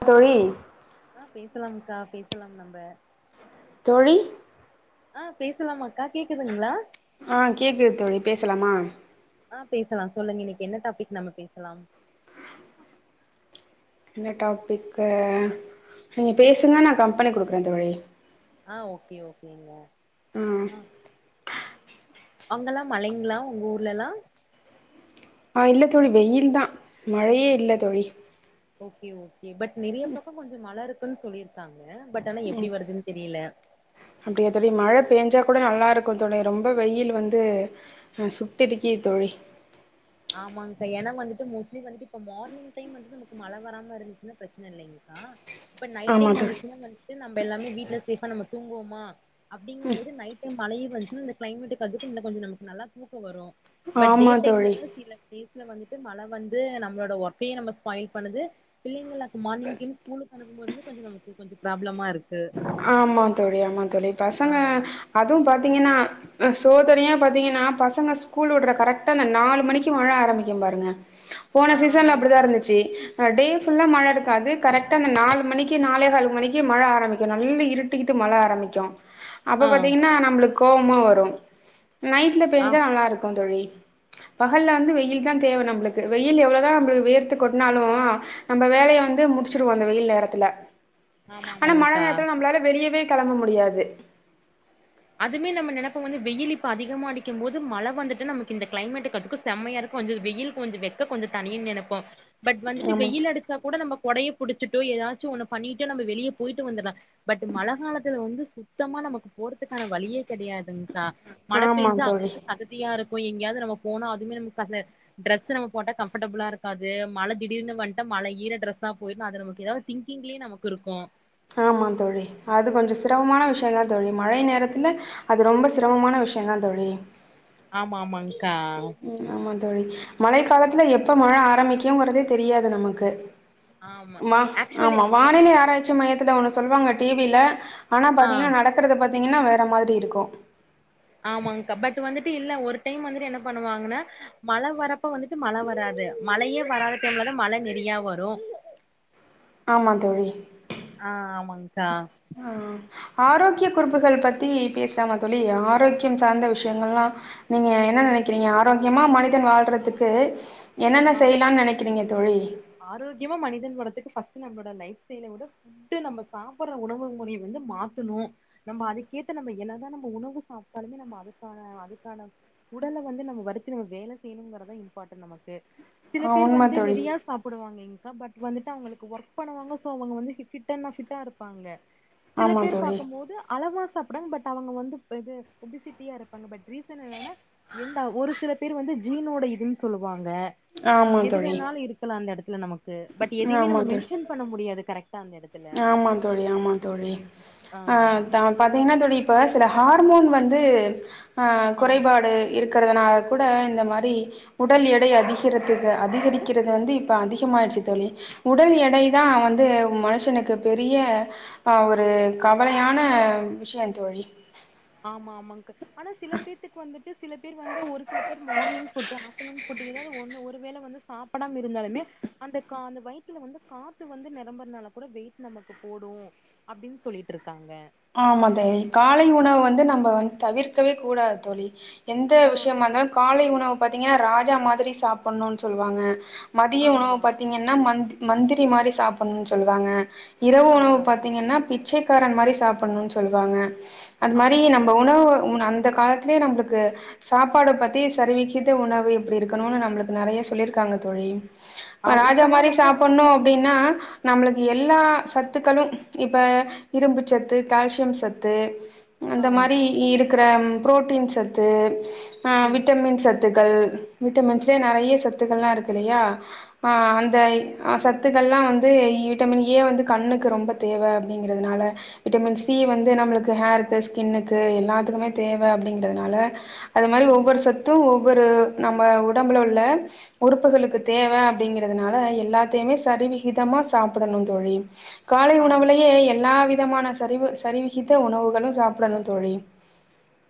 த்தொளி ஆஹ பேசலாம்க்கா பேசலாம் நம்ம தொளி ஆஹ் பேசலாமாக்கா கேக்குதுங்களா ஆஹ கேக்குது தோழி பேசலாமா ஆஹ பேசலாம் சொல்லுங்க இன்னைக்கு என்ன டாபிக் நம்ம பேசலாம் என்ன டாபிக நீங்க பேசுங்க நான் கம்பெனி குடுக்குறேன் தோழி ஆஹ ஓகே ஓகேங்க உம் அங்கெல்லாம் மலைங்களா உங்க ஊர்லல்லாம் ஆ இல்ல தோழி வெயில் தான் மழையே இல்லதொழி ஓகே ஓ பட் நிறைய பக்கம் கொஞ்சம் மழை இருக் னு சொல்லியிருக்காங்க பட் ஆனா உம் எப்டி வருதுன்னு தெரியல அப்படிய தோடி மழை பெஞ்சா கூட நல்லா இருக்கும் தொழி ரொம்ப வெயில் வந்து சுட்டேருக்கி தொழி ஆமாக்கா எனா வந்துட்டு மோஸ்ட்லி வந்துட்டு இப்ப மார்னிங் டைம் வந்துட்டு நமக்கு மழை வராம இருந்துச்சுன்னா பிரச்சனை இல்லைங்கக்கா இப்ப நை ஆமா டைம் தோழி வந்துச்சுன்னா வந்துட்டு நம்ம எல்லாமே வீட்டுல சேபா நம்ம தூங்குவோம அப்படிங்கும்போது நைட டை மழைய வெச்சுன்னா இந்த கிளைமேட்டுக்கு அத்துட்டு இந்த கொஞ்ச நமக்கு நல்லா தூக்கம் வரும் ஆமா தோழி இதுல வந்துட்டு மழை வந்து நம்மோட ஒர்கையு நம்ம ஸ்பாயி பண்ணுது பிள்ளைங்கக்கு மார்னிங் ஸ்கூலுக்கு அனுும்ப போது கொஞ்சம் வந்து கொ்சம் ப்ராப்ளமா இருக்கு ஆமா தோழி ஆமா தோழி ஆ பசங்க அதுவும் பா பாத்தீங்கன்னா சோதனையே பாத்தீங்கன்னா பசங்க ஸ்கூல் விடுற கரெக்டா அந்த நாலு மணிக்கு மழை ஆரம்பக்கும் பாருங்க போன ஆ சீசன்ல அப்படிதான் ஆமாங்க்கா இருந்துச்சு டே ஃபுல்லா மழை இருக்காது கரெக்டாந்த நாலு மணிக்கு நாளேகாலு மணிக்கு மழை ஆரம்பி நல்லா இருட்டிக்கிட்டு மழை ஆரம்பிக்கும் அப்ப ஆ பாத்தீங்கன்னா நம்மளுக்கு கோபமா வரும் நைட்டில ஆ பெய்ஞ்சால் நல்லாிருக்கும் தோழி பகலா வந்து வெயில் தான் தேவை நம்பளுக்கு வெயில் எவ்வளவுதான் நம்மளுக்கு வெர்த்து கொட்னாலும் நம்ம வேலையை வந்து முடிச்சிருவோம் அந்த வெயில் நேரத்துல ஆமாமங்கா நளால வெளியவே கிளம்ப முடியாது அதுமே நம்ம நினைப்போம் வந்து வெயில் இப்ப அதிகமா அடிக்கும் போது மழை வந்துட்டு நமக்கு இந்த கிளைமேட்டுக்கு அதுக்கும் செம்மையா இருக்கும் கொஞ்சம் வெயில் கொஞ்சம் வக்க கொஞ்சம் தனியனுு நைப்போம் பட் வந்துட்டு ஆமா வெயில் அடிச்சா கூட நம கொடைய புடிச்சிட்டோ ஏதாச்சும் ஒண்ண பண்ணிட்டு நம்ம வெளியே போயிட்டு வந்துடலாம் பட் மழ காலத்துல வந்து சுத்தமா நமக்கு போர இக்கான வழியே கிடையாதுங்க மழை ஆமா பெஞ்சா அங்க தோழி அங்க சகதியா இருக்கு போய் எங்கயாவது நம்ம போனா அதுவுமே நம டிரெஸ் நம்ம போட்டா காம்போர்டபிள்லா இருக்காது மழை திடீர்னு வந்ட்ட மழ ஈர டிரெஸா போயிருும் அது நமக்கு ஏதாவது திங்கிங்லயே நமக்கு இருக்கும் ஆமா தோழி அது கொஞ்சம் சிரமமான விஷயம் தான் தோழி மழை நேரத்துல அது ரொம்ப சிரமமான விஷயம் தான் தோழி ஆமா ஆமாங்க உம் ஆமா தோழி மழை காலத்துல எப்ப மழை ஆரம்பிக்குங்கறதே தெரியாது நமக்கு ஆமா. வா ஆக்சுவலி ஆமா வானில யாராச்சு மையத்துல ஒன்னு சொல்லுவாங்க டிவில ஆனா ஆ. பாத்தீங்கன்னா நடக்கறத பத்தி பார்த்தீங்கன்னா வேறு மாதிரி இருக்கும் ஆமாங்கா பட் வந்துட்டு இல்ல ஒரு டைம் வந்துட்டு என்ன பண்ணுவாங்கன்னா மழை வரப்ப வந்துட்டு மழை வராது மழையே வராத டைம்லதான் மழை நெிறையா வரும் ஆமா தோழிஹ ஆமாங்க்கா ஆரோக்கிய குறிப்புகள் பத்தி பேசலாம சொல்லி ஆரோக்கியம் சார்ந்த விஷயங்கள்ல்லாம் நீங்க என்ன நினைக்கிறீங்க ஆரோக்கியமா மனிதன் வாழ்றதுக்கு என்னென்ன செய்யலாம்னு நினைக்கிறீங்க தோழி ஆரோக்கியமும் மனிதன் உடத்துக்கு பஸ்ட் நம்மளோட லைஃப் ஸ்டைலை விட புட்டு நம்ம சாப்பிற உணவு முறைய வந்து மாத்தணும் நம்ம அதுக்கேத்த நம்ம என்னதான் நம்ம உணவு சாப்பிட்டாலுமே நம்ம அதுக்கான அதுக்கான உடல வந்து நம்ம வருத்தி நம்ம வேல செய்யணுங்கறதான் இம்பார்ட்டன்ட் நமக்கு ஆஹ் உண்ம தோழி இல்லைங்க்கா பட் வந்துட்டு அவளுக்கு ஒர்க் பண்ணுவாங்க சோ அவங்க ஃபிட்டென்ன ஃபிட்டாயிருப்பாங்க சில ஆமா பேர் தோழி பார்க்கும்போது அளவா சாப்டுவாங்க பட் அவங்க வந்து ஒபீசிட்டியா இருப்பாங்க பட் ரீசன் என்னன்னா ஒரு சில பேர் வந்து ஜீனோட இதுன்னு சொல்லுவாங்க ஆமா எது தோழி வேணாலு இருக்கலா அந்த எடத்துல நமக்கு பட் எதையுமே ஆமா நம்ம தோழி மென்ஷன் பண்ண முடியாது கரெக்டா அந்த எடத்துல ஆமா தோழி ஆமா தோழி ஆ ஆஹ் பாத்தீங்கன்னா தோழி இப்ப சில ஹார்மோன் வந்து ஆஹ் ஆ குறைபாடுயிருக் குறதுனால கூட இந்த மாரி உடல் எடை அதிகரத்துக்கு அதிகரிக்குறது வந்து இப்ப அதிகமாயிடுச்சு தோழி உடல் எடை தா வந்து மனு ஷனுக்கு பெரிய ஆஹ் ஒரு கவலையான விஷியோ தோழி ஆமா ஆமாங்க ஆனா சில பேர்த்துக்கு வந்துட்டு சில பேர் வந்து ஒரு சில பேர் மார்னிங் ஃபுட்டு் ஆப்டர்நூன் ஃபுட்டு எதாவது ஒண்ணு ஒரு வேள வந்து சாப்புடாம இருந்தாலுமே அந்த கா அந்த வயித்துல வந்து காத்து வந்து நெரம்புறனால கூட வெயிட் நமக்கு போடும் அப்டின்னு சொல்லிட்டு இருக்காங்க ஆமா தோழி காலை உணவு வந்து நம் ப வந்து தவிர்க்கவேக் கூடாது தோழி எந்த ஆ விஷியமாயிருந்தாலோ காலை உணவு பாத்தீங்கன்னா ராஜா மாதிரி சாப் புடனோம்னு சொல்லுவாங்க மதிய உணவு ஆமா பார்த்தீங்கன்னா மந் மந்திரி மாதிரி சாப்புடணோம்னு சொல்லுவாங்க இரவு அதா உணவு அதா பாத்தீங்கன்னா பி ச்சைக்காரன் மாரி சாப் புன்னோம்னு சொல்லுவாங்க அது மாதிரி ஆமா நம்ம ஆமா உணவு உ அந்த இந்த காலத்துலயே நம்மளுக்கு சாப்பாட பத்தி சரிவிக்கித்த உணவு எப்டியிருக்கணோம்னு நம்மளுக்கு நெறைய சொல்லியிருக்காங்க தோழி ஆ ராஜா இப்பல்லாம் மாரி வந்து சாப்புட்ணோ அப்டின்னு ன்னா நம்மளுக்கு எல்லா சத்துக்களோ இப்ப இரும்புச்சத்து கால்சியம் சத்து ஆ அந்த மாதிரியிருக்கு இருக்குற புரோட்டீன் சத்து ஆஹ் ம் விட்டமின் சத்து சத்துக்கள் விட்டமின்ஸ்லயே நெறைய சத்துகள்லாயிருக்குயில்லையா ஆஹ் அந்த சத்துக்கள்லா வந்து விட்டமின் ஏ வந்து கண்ணுக்கு ரொம்ப தேவ அப்டிங்குறதுனால விட்டமின் சி வந்து நம்மளுக்கு ஹேருக்கு ஸ்கின்னுக்கு எல்லாத்துக்குமே தேவை அப்படிங்கதுனால அது மாதிரி ம் ஒவ்வொரு சத்தும் ஒவ்வொரு நம்ம உடம்புல உள்ள உறுப்புகளுக்கு தேவை அப்படிங்கறதனால எல்லாத்தையுமே சரிவிகிதமா சாப்பிடணும் தொழி காலை ஆம் உணவுலேயே எல்லா விதமான சரிவு சரிவிகித்த உணவுகளும் சாப்பிடணும் தொழி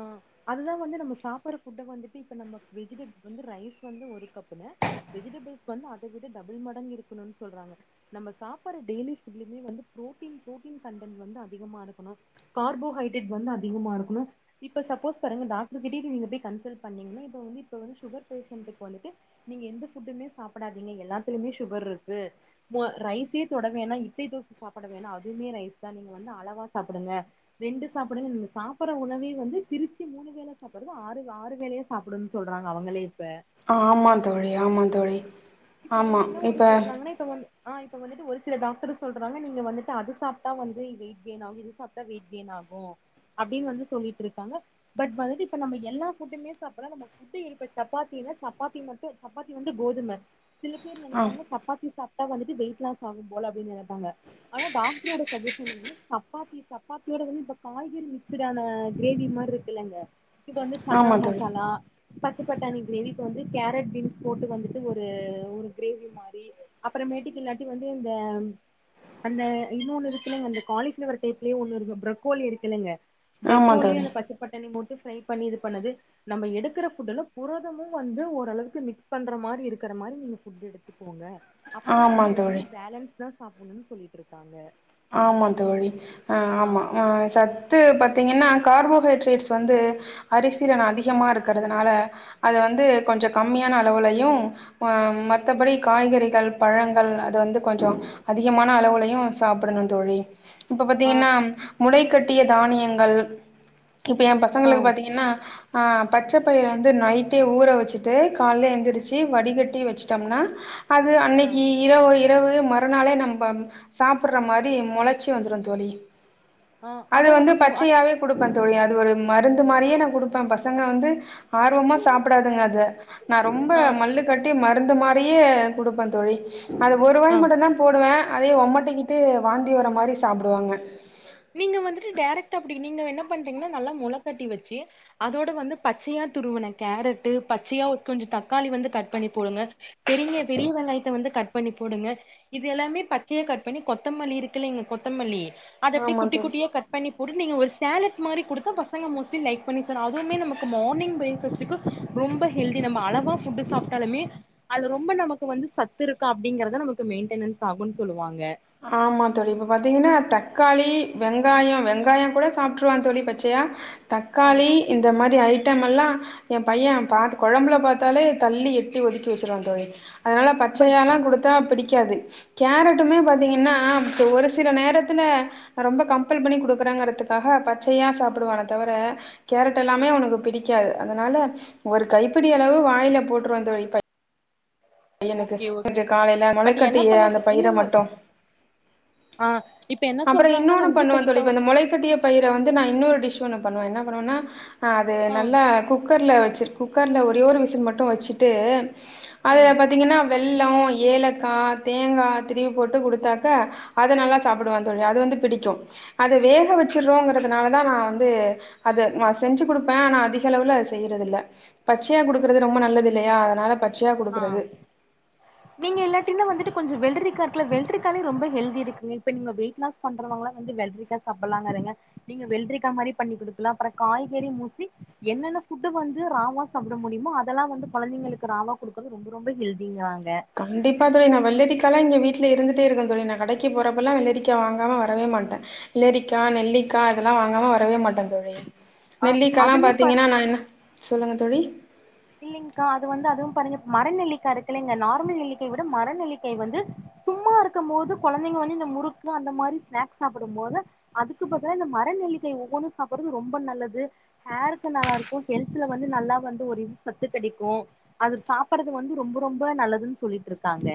ஆஹ அதுதான் வந்து நம்ம சாப்படுற புட்டை வந்துட்டு இப்ப நம்ம வெஜிடபுல் வந்து ரைஸ் வந்து ஒரு கப்புன்ன வெஜிடபிள்ஸ் வந்து அதை விட டபுள் மடங்கு இருக்கணும்னு சொல்றாங்க நம்ம சாப்பிடடுற டெயலி ஃபுட்லமே வந்து ப்ரோட்டீன் ப்ரோட்டீன் கண்டன்ட் வந்து அதிகமா இருக்கணும் கார்போஹைட்ரேட் வந்து அதிகமா இருக்கணும் இப்ப சப்போஸ் பாருங்க டாக்டர் கிட்ட நீங்க போய் கன்சட் பன்னிங்கனா இப்ப வந்து இப்பவந்து சுகர் பேஷட்க்கு வந்துட்டு நீங்க எந்த புட்டுமே சாப்பிடாதீங்க எல்லாத்துலையுமே சுகர் இருக்கு ரைஸே தொட வேணா இட்லி தோசை சாப்பிட வேணா அதுமே ரைஸ் தான் நீங்க வ அளவா சாப்பிடுங்க ரெண்டு சாப்பிடு சாப்பற உணவே வந்து திருச்சி மூணு வேலை சாப்பிடுறது ஆறு ஆறு வேலையா சாப்பிடன்னனு சொல்றாங்க அவங்களே ஆமா தோழி ஆமா தோழி இப்ப அவங்க ஆமா என்ன ஊரு இப்ப சொல்றாங்கன்னா இப்பவந் ஆஹ இப்ப வந்துட்டு ஒரு சில டாக்டர் சொல்றாங்க நீங்க வந்துட்டு அது சாப்பிட்டா வந்து வெயிட் கெயின் ஆகும் இது சாப்பிட்டா வெயிட் கெயின் ஆகும் அப்படின்னு வந்து சொல்லிட்டு இருக்காங்க பட் வந்துட்டு இப்ப நம்ம எல்லா புட்டுமே சாப்ப நமபப்ப சப்பாத்தின்னா சப்பாத்தி மட்டும் சப்பாத்தி வந்து கோதுமை சில பேர் ஆ நைட்ல சப்பாத்தி சாப்ப வந்துட்டு வெயிட் லாஸ் ஆகும் போல அப்படின் நினைப்பாங்க ஆனா டாக்டரோட சஜன் என்ன்னா தப்பாத்தி தப்பாத்தியோட வ இப்ப காய்கறி மிக்ச்ட ஆான கிரேவி மாதிரி இருக்குல்லங்க இது வந்து சன்னா ஆமா தோழி மசாலா பச்சை பட்டாணி கிரேவிக்கு வந்து கேரட் பீன்ஸ் போட்டு வந்துட்டு ஒரு ஒரு கிரேவி மாரி அப்புறமேட்டுக்கு இல்லாட்டி வந்து இந்த அந்த இன்ன ஒண்ணு இருக்குல்லங்க அந்த காலிபிளோவர் டைப்லயே ஒண்ணு பிரகோலி இருக்குல்லுங்க ஆமா பிரகோலி தோழி அந்த பச்சை பட்டணி போட்டு பண்ணி இது பண்ணது நம்ம எடுக்கிற புரதமும் வந்து ஓளவுக்கு மிக்ஸ் பண்ற மாதிரி இருக்கிற மாதிரி நீங்க எடுத்து போங்க அப்பதான் ஆமா வந்து ரெண்டுமே தோழி பேலன்ஸ் தான் சாப்பிடணு சொல்லிட்டு இருக்காங்க ஆமா தோழி ஆஹ் ஆ ஆமா ஆஹ் சத்து பாத்தீங்கன்னா கார்போஹைட்ரேட்ஸ் வந்து அரிசீல அதிகமாக இருக்கிறதுனால அது வந்து கொஞ்சம் கம்மியான அளவுலையும் மத்தபடி காய்கறிகள் பழங்கள் அது வந்து கொஞ்சம் அதிகமான அளவுலையும் சாப்படணும் தொழி இப்ப ஆ பாத்தீங்கன்னா முளை கட்டிய தானியங்கள் இப்ப ஏ ஆ பசங்களுக்கு பாத்தீங்கன்னா ஆ பச்ச பயிரை வந்து நைட்டே ஊற வச்சுட்டு காலே எழுந்திரிச்சு வடிகட்டி வச்சுட்டோம்னா அது ஆ அன்னைக்கு இரவு இவு மறுநாளே நம்ம சாப்படுற மாரி முளைச்சி வந்துடும் தோழி ஆ அது அதா வந்து மு அ பச்சயாவே குடுப்பன் தோழியாது ஒரு மருந்து மாரியே நான் கொடுப்பேன் பசங்க வந்து ஆர்வமா சாப்படாதுங்க அது நான் ரொம்ப ஆ மல்லு கட்டி மருந்து மாரியே கூடு பந்தோழி அது ஆ ஒருவாய் மட்டம்தான் போடுவேன் அதே ஒமட் ஒமடிகிட்டு வாந்தி வர மாதிரி சாப்பிடுவாங்க நீங்க வந்துட்டு டைரெக்ட்டா அப்படி நீங்க என்ன பண்றீங்கன்னா நல்லா முளகட்டி வச்சு அதோட வந்து பச்சையா துருவன கேரட்டு பச்சையா கொஞ்சம் தக்காளி வந்து கட் பண்ணி போடுங்க பெரியங்க பெரிய வெள்ளாயத்த வந்து கட் பண்ணி போடுங்க இது எல்லாமே பச்சையா கட் பண்ணி கொத்தமல்லி இருக்குல்லங்க கொத்தமல்லி அதை அப்படி ஆமா குட்டி தோழி குட்டியா கட் பண்ணி போட்டு நீங்க ஒரு சேலெட் மாதிரி கொடுத்தா பசங்க மோஸ்ட்லி லைக் பண்ணி சொ அதுவுமே நமக்கு மார்னிங் பிரேக்ஃபாஸ்டுக்கு ரொம்ப ஹெல்தி நம்ம அழகாக ஃபுட்டு சாப்பிட்டாலுமே அதுல ரொம்ப நமக்கு வந்து சத்து இருக்கா அப்படிங்கிறத நமக்கு மெயின்டனன்ஸ் ஆகும்னு சொல்லுவாங்க ஆமா தோழி இப்ப பாத்தீங்கன்னா தக்காளி வெங்காயம் வெங்காயம் கூட சாப்பிட்டுருவான் தோழி பச்சையா ஆ தக்காளி இந்த மாதிரி ஐ டைம் எல்லாம் என் பையன் பா குழம்புல பாத்தாலே தள்ளி எட்டி ஒதுக்கி வச்சுருவான் தோழி அதன பட் பச்சயல்லாம் கொடுத்தா பிடி பிடிக்காது கேரட்டுமே பாத்த பாத்தீங்கன்னா இப்ப ஒரு சில நேரத்துல ரொம்ப கம்பல் பண்ணி குடுக்குறாங்கறதுக்காக பச்சையா சாப்பிடுவான தவிர கேரட் ஆ எல்லாமே உனக்கு பிடி புடிக்காது அதனால ஒரு கைப்பிடி அளவு வாயில போட்டுறுவேன் தோழி ஓகே ஓகே பையனுக்கு காலையில பட் என்ன முளைக்கட்டிய பண்ண அந்த சொ பயிரை இல்லைங்க மட்டும் ஆ இப்ப என்ன அப்புறம் சொல்றாங்கன்னா இன்னொன்னு வந்து இப்ப பண்ணுவேன் இப்ப தோழி அந்த முளைக்கட்டிய பயிர வந்து நான் இன்னொரு டிஷ் ஒண்ணு பண்ணுவே என்ன பண்ணுவனா ஆஹ ஆ அ நல்லா குக்கர்ல சரி குக்கர்ல ஒரே ஒரு விஷில் மட்டும் வச்சுட்டு ஆ அத பத்தி ஏன்னா வெள்ளம் ஏலக்காய் தேங்காய் திரிவி போட்டு குடுத்தாக்க அதை நல்லா சாப்பிடுவான் தோழி அது வந்து பிடிக்கும் அதை வேக வச்சறோங்கறிறதுனால தான் நான் வந்து அத செஞ்சு கொடுப்பேன் ஆனா அதிக அளவு அத செய்யறத இல்ல பச்சையா குடுக்கறது ரொம்ப நல்லது இல்லையா அதனால ஆ பச்சயாகொடுக்குறது நீங்க இல்லாட்டி வந்துட்டு கொஞ்சம் வெல்ரிக்கா இருக்குல வெல்ரிக்காலே ரொம்ப ஹெல்தி இருக்குங்க இப்ப நீங்க வெயிட் பண்றவங்காம் வந்து வெல்ரிக்காய் சாப்பிடலாங்க இருங்க நீங்க வெல்ரிக்காய் மாரி பண்ணி குடுக்கலாம் அப்புறம் காய்கறி மூசி என்னென்ன புட்வந்து ராவா சாப்பிட முடியுமோ அதெல்லாம் வந்து குழந்தைங்களுக்கு ராவா கொடுக்கது ரொம்ப ரொம்ப ஹெலிங்காங்க கண்டிப்பா தோழி நா வெள்ளரிக்காய்லாம் இங்க வீட்டுல வீட்டில் இருந்துட்டே இருக்கேன் தோழி நான் கடைக்கு போகிறப்பெல்லாம் வெள்ளரிக்காய் வாங்காமல் வரவே மாட்டேன் வெள்ளரிக்கா நெல்லிக்காய் இதெல்லாம் வாங்காம வரவே மாட்டேன் தோழி ஆ நெல்லிக்கல்லாம் அதுமே பாரு பாத்தீங்கன்னா நான் என்ன சொல்லுங்க தோழி இல்லைங்கக்கா அது வந்து அதுவும் பார்ங்க மரநெல்லிக்காய் இருக்குல்லங்க நார்மல் நெல்லிக்காயவிட மரநெல்லிக்காய் வந்து சும்மா இருக்கும் போது குழந்தைங்க வந்து இந்த முறுக்கு அந்த மாதிரி ஸ்நாக்ஸ் சாப்பிடும் போது அதுக்கு பதிலா இந்த மர நெல்லிக்காய் ஒவ்வொன்னும் சாப்பிடுறது ரொம்ப நல்லது ஹேருக்கு நல்லா இருக்கும் ஹெல்தல வந்து நல்லா வந்து ஒரு இ சத்து கிடைக்கும் அது சாப்படுறது வந்து ரொம்ப ரொம்ப நல்லதுன்னு சொல்லிட்டு இருக்காங்க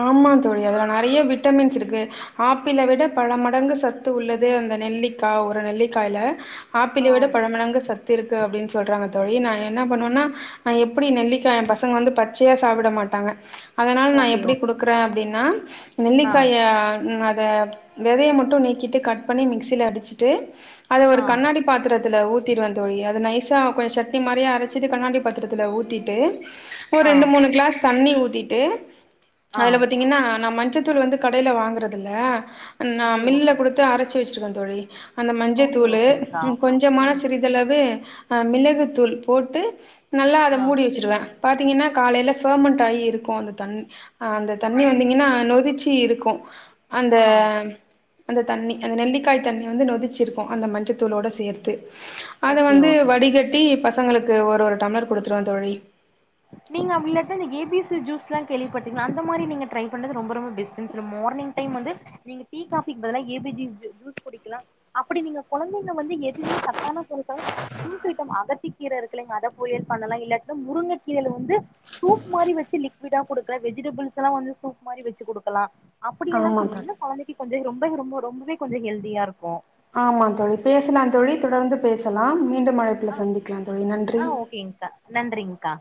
ஆமா தோழி அதுல நிறைய விட்டமின்ஸ் இருக்கு ஆப்பிளை விட பல மடங்கு சத்து உள்ளது அந்த நெல்லிக்காய் ஒரு நெல்லிக்காயல ஆ ஆப்பிள விட பழமடங்கு சத்து இருக்கு அப்படின்னு சொல்றாங்க தோழி நான் என்ன பண்ணுவேனானஎப்படி நெல்லிக்காய் என் பசங்க வந்து பச்சையா சாப்பிட மாட்டாங்க அதனால் நான் ஓகே எப்படி ஓகேங்க்கா கொடுக்குறன் அப்படின்னா ஆ நெல்லிக்காய அத விதையை மட்டும் நீக்கிவிட்டு கட் பண்ணி மிக்ஸில அடிச்சிட்டு அது ஒரு ஆ கண்ணாடி பாத்திரத் ஊத்திறுவேன் தோழி அது நைசா கொஞ்சம் சட்டினி மாதிரியா அரைச்சிட்டு கண்ணாடி பாத்திரத்துல ஊத்திட்டு ஒரு ஆ ரண்டு மூணு கிளாஸ் தண்ணி ஊத் விட்டுட்டு ஆ அதுல பாத்தீங்கன்னா நம் மஞ்ச [unintelligible] வந்து கடையில வாங்கறதுல நான் ஓகே மில்ல ஓகே குடுத்து அரச்சி [unintelligible] தொழி அந்த ஓகே மஞ்சத்தூளு ஓகேங்க்கா கொஞ்சமான ம் சிறிதளவு அஹ் மிளகுத்தூள் போட்டு நல்லா அத ஆ மூடி வச்சுருவேன் பாத்தீங்கன்னா காலையல பர்மெண்ட் ஆகி இருக்கும் அந்த தண்ணி அஹ் அந்த தண்ணி வந்தீங்கன்னா நொதிச்சு இருக்கும் அந்த ஆ அந்த தண்ணி அந்த நெல்லிக்காய் தண்ணி வந்து நொதிச்சிருக்கும் அந்த மஞ்சத்தூளோட சேர்த்து அத ஓகே வந்து ஓகே வடிகட்டி ப பசங்களுக்கு ஒரு ஒரு டம்ளர் கொடுத்துருவேன் தோழி நீங்க இல்லட்ன ஏபிசி ஜூஸ் கேள்விப்பட்டிங்கலா அந்த மாரி நீங்க ட்ரைப் பன்னது ரொம்ப ரொம்ப பெஸ்ட் மார்னிங் டைம் வந்து நீங்க டீ காபிக்கு பதிலா ஏபிசி ஜூஸ் குடிக்கலாம் அப்படி நீங்க குழந்தங்க வந்து எதுவுமே சத்தானருசா ஜூஸ் ஐட்டம் அகத்தி கீர இருக்குங்ல அத பொரியல பண்ணலாம் இல்லா முருங்க இதுல வந்து சூப் மாரி வச்சு லிக்விடா குடுக்கல வெஜிடபிள்ஸ் எலாம் வந்து சூப் மாரி வச்சு குடுக்கலாம் அப்படி எலாம் ஆமா தோழி குடுத்தீங்கன்ன [unintelligible] [unintelligible] அப்ப ரொம்பொவே கொஞ்ச ஹெல்தியா இருக்கும் ஆமா தொழி பேசலாம் தொழி தொடர்ந்து பேச சொலாம் மீண்டும் அழைப்புல ஆஹ் சந்திக்கலா தோழி நன்றி ஆஹ் ஓகேங்கா நன்றிங்க்கா